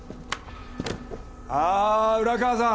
ああ浦川さん